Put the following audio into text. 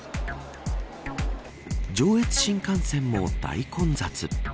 上越新幹線も大混雑。